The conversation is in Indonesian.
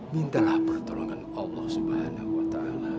mintalah pertolongan allah swt